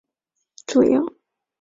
主要用途为汽油机的燃料。